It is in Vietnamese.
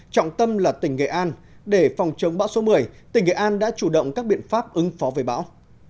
trọng tâm là tỉnh nghệ an để phòng chống bão số một mươi tỉnh nghệ an đã chủ động các biện pháp ứng phó với bão